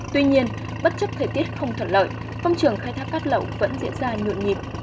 tuy nhiên bất chấp thời tiết không thuận lợi phong trường khai thác cát lậu vẫn diễn ra nhuộn nhịp